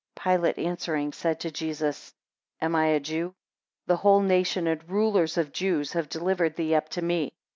8 Pilate answering, said to Jesus, Am I a Jew? The whole nation and rulers of the Jews have delivered thee up to me.